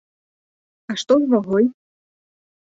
А што з вагой?